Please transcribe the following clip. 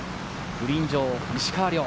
グリーン上、石川遼。